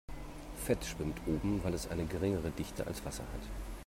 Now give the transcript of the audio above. Fett schwimmt oben, weil es eine geringere Dichte als Wasser hat.